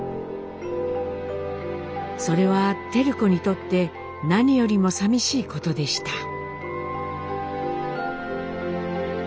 それは照子にとって何よりもさみしいことでした。